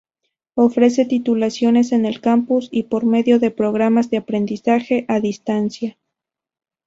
Ofrece titulaciones en el campus y por medio de programas de aprendizaje a distancia.